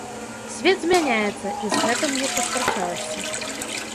Свет змяняецца, і з гэтым не паспрачаешся.